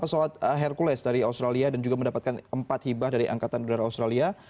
pesawat hercules dari australia dan juga mendapatkan empat hibah dari angkatan udara australia